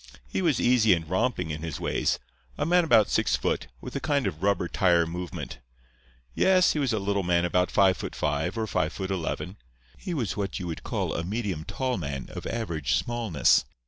He was easy and romping in his ways; a man about six foot, with a kind of rubber tire movement. Yes, he was a little man about five foot five, or five foot eleven. He was what you would call a medium tall man of average smallness.